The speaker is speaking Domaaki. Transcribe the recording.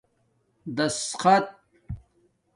دَشخَت